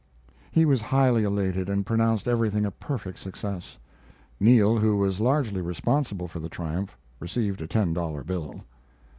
He was highly elated, and pronounced everything a perfect success. Neal, who was largely responsible for the triumph, received a ten dollar bill.